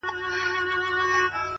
ستا د سوځلي زړه ايرو ته چي سجده وکړه’